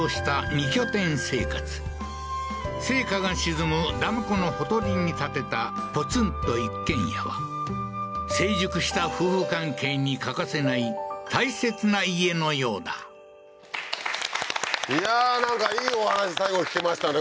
２拠点生活生家が沈むダム湖のほとりに建てたポツンと一軒家は成熟した夫婦関係に欠かせない大切な家のようだいやなんかいいお話最後聞けましたね